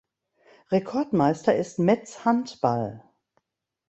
Rekordmeister ist Metz Handball.